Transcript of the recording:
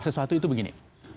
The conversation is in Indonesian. sesuatu itu begini